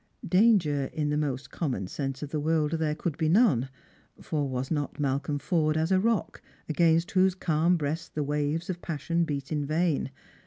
Danger, in the common sense of the word, there could be none, for was not Malcolm Forde as a rock, against whose calm breast the waves of passion beat in vain